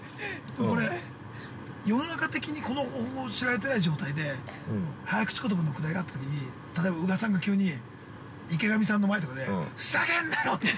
俺、世の中的にこの、知られてない状態で、早口言葉のくだりがあったときに例えば宇賀さんが急に、池上さんの前でふざけんなよって。